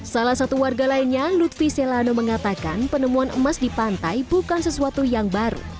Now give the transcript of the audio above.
salah satu warga lainnya lutfi selano mengatakan penemuan emas di pantai bukan sesuatu yang baru